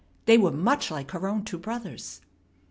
They were much like her own two brothers.